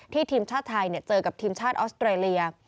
ทีมชาติไทยเจอกับทีมชาติออสเตรเลีย